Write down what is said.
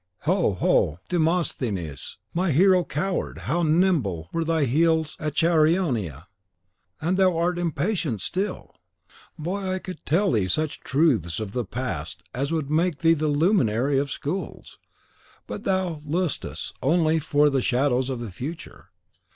Ho, ho! Demosthenes, my hero coward, how nimble were thy heels at Chaeronea! And thou art impatient still! Boy, I could tell thee such truths of the past as would make thee the luminary of schools. But thou lustest only for the shadows of the future.